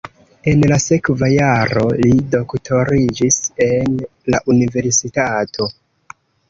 En la sekva jaro li doktoriĝis en la universitato.